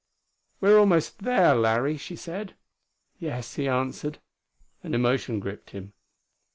"We are almost there, Larry," she said. "Yes," he answered. An emotion gripped him.